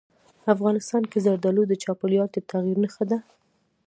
افغانستان کې زردالو د چاپېریال د تغیر نښه ده.